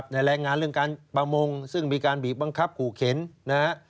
แรงงานเรื่องการประมงซึ่งมีการบีบบังคับขู่เข็นนะฮะ